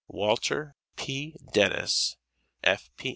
Walter P. Dennis, F.